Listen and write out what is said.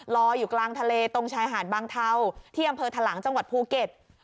ลอยอยู่กลางทะเลตรงชายหาดบางเทาที่อำเภอทะลังจังหวัดภูเก็ต